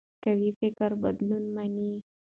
قوي فکر بدلون مني